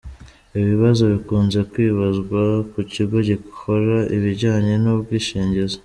Ibibazo bikunze kwibazwa ku kigo gikora ibijyanye n’ubwishingizi